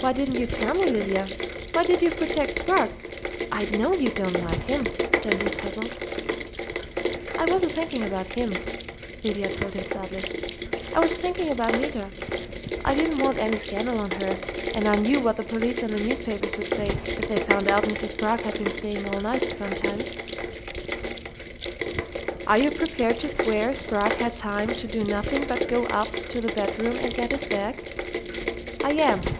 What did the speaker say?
"Why didn't you tell me, Lydia? Why did you protect Sprague? I know you don't like him," Dundee puzzled. "I wasn't thinking about him," Lydia told him flatly. "I was thinking about Nita. I didn't want any scandal on her, and I knew what the police and the newspapers would say if they found out Mr. Sprague had been staying all night sometimes." "Are you prepared to swear Sprague had time to do nothing but go up to the bedroom and get his bag?" "I am!"